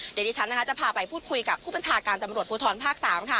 เดี๋ยวดิฉันจะพาไปพูดคุยกับผู้บัญชาการตำรวจภูทรภาค๓ค่ะ